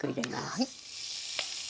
はい。